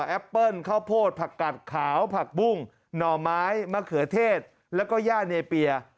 ปิ้ลข้าวโพดผักกัดขาวผักบุ้งหน่อไม้มะเขือเทศแล้วก็ย่าเนเปีย